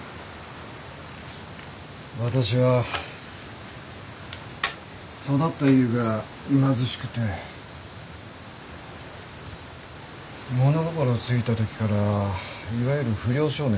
私は育った家が貧しくて物心ついたときからいわゆる不良少年でね。